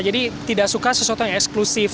jadi tidak suka sesuatu yang eksklusif